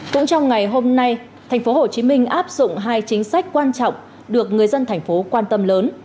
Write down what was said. cũng trong ngày hôm nay tp hcm áp dụng hai chính sách quan trọng được người dân thành phố quan tâm lớn